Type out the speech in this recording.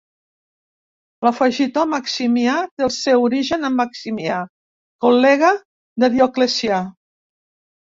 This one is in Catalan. L'afegitó Maximià té el seu origen en Maximià, col·lega de Dioclecià.